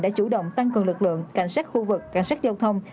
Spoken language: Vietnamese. đã chủ động tăng cường lực lượng cảnh sát khu vực cảnh sát giao thông